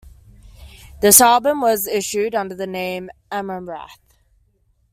This album was issued under the name "Amaranth".